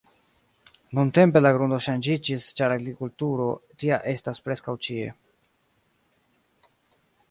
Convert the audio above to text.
Nuntempe, la grundo ŝanĝiĝis ĉar agrikulturo tie estas preskaŭ ĉie.